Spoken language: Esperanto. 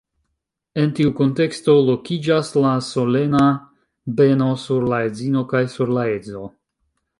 En tiu kunteksto lokiĝas la solena beno sur la edzino kaj sur la edzo.